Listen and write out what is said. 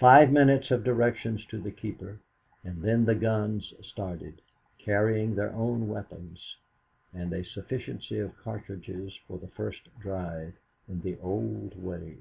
Five minutes of directions to the keeper, and then the guns started, carrying their own weapons and a sufficiency of cartridges for the first drive in the old way.